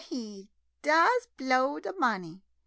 — he does blow de money.